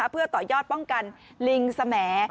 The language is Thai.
เพื่อต่อยอดป้องกันลิงสแหมด